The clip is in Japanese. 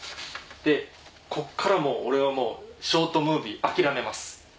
でこっから俺はもうショートムービー諦めます。